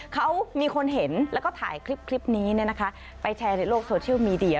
เขามีคนเห็นแล้วก็ถ่ายคลิปนี้ไปแชร์ในโลกโซเชียลมีเดีย